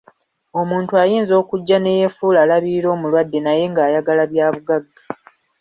Omuntu ayinza okujja ne yeefuula alabirira omulwadde naye nga ayagala bya bugagga.